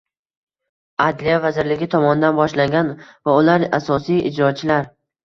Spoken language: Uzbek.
Adliya vazirligi tomonidan boshlangan va ular asosiy ijrochilar.